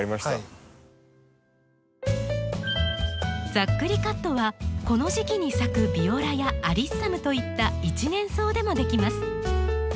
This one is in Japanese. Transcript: ざっくりカットはこの時期に咲くビオラやアリッサムといった一年草でもできます。